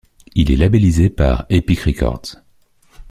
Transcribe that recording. Il est labellisé par Epic Records.